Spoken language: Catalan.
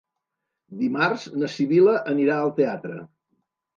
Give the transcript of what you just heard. Dimarts na Sibil·la anirà al teatre.